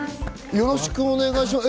よろしくお願いします。